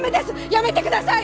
やめてください！